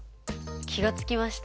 気が付きました？